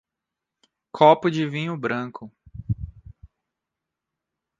Copo de vinho branco.